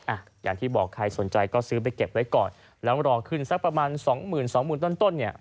อ่ะอย่างที่บอกใครสนใจก็ซื้อไปเก็บไว้ก่อนแล้วรอขึ้นสักประมาณสองหมื่นสองหมื่นต้นต้นเนี่ย